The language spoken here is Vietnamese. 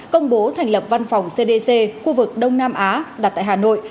công bố thành lập văn phòng cdc khu vực đông nam á đặt tại hà nội